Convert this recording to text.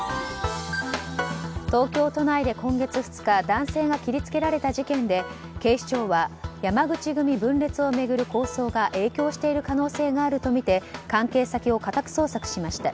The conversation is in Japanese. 東京都内で今月２日男性が切り付けられた事件で警視庁は山口組分裂を巡る抗争が影響している可能性があるとみて関係先を家宅捜索しました。